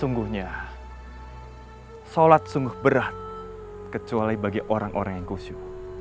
sungguhnya sholat sungguh berat kecuali bagi orang orang yang khusyuk